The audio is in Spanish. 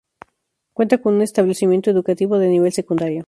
Cuenta con un establecimiento educativo de nivel secundario.